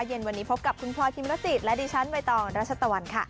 เย็นวันนี้พบกับคุณพลอยพิมรจิตและดิฉันใบตองรัชตะวันค่ะ